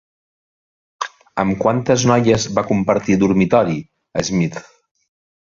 Amb quantes noies va compartir dormitori Smith?